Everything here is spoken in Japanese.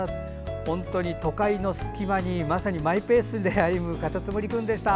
本当に都会の隙間にまさにマイペースで歩むカタツムリ君でした。